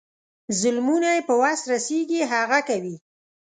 ظلمونه یې په وس رسیږي هغه کوي.